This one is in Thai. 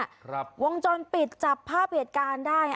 ครับวงจรปิดจับภาพเหตุการณ์ได้